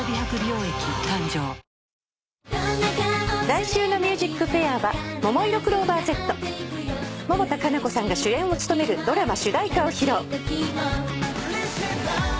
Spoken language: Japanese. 来週の『ＭＵＳＩＣＦＡＩＲ』はももいろクローバーＺ百田夏菜子さんが主演を務めるドラマ主題歌を披露。